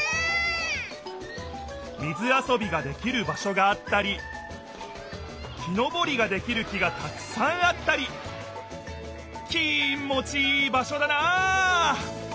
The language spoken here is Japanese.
水遊びができる場所があったり木登りができる木がたくさんあったりきもちいい場所だな！